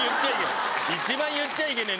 一番言っちゃいけない。